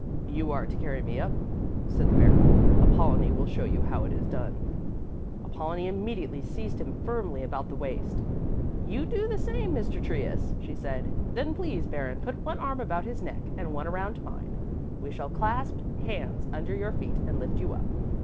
"You are to carry me up," said the Baron. "Apollonie will show you how it is done." Apollonie immediately seized him firmly about the waist. "You do the same, Mr. Trius," she said; "then please, Baron, put one arm about his neck and one around mine. We shall clasp hands under your feet and lift you up."